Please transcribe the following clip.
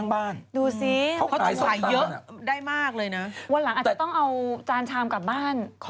มันไม่ใช่เดชมันเอาไปจากต้น